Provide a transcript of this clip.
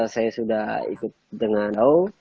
saya sudah ikut dengan au